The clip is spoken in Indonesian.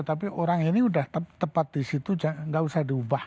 tapi orang ini sudah tepat di situ nggak usah diubah